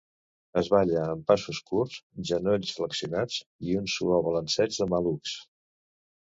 Es balla amb passos curts, genolls flexionats i un suau balanceig de malucs.